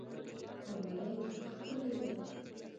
قواره يې جدي ښکارېده.